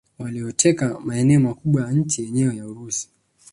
Walioteka maeneo makubwa ya nchi yenyewe ya Urusi